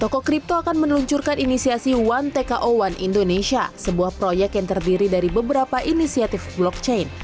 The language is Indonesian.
toko kripto akan meluncurkan inisiasi one tko one indonesia sebuah proyek yang terdiri dari beberapa inisiatif blockchain